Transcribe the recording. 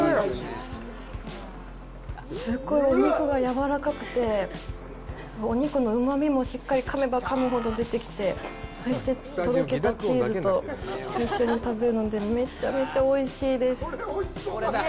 すごいお肉がやわらかくて、お肉のうまみも、しっかりかめばかむほど出てきて、そして、とろけたチーズと一緒に食べるので、めちゃめちゃおいしいです。